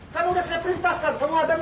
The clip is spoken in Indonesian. kan udah saya perintahkan kamu ada gak